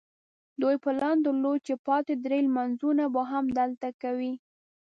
دوی پلان درلود چې پاتې درې لمونځونه به هم دلته کوي.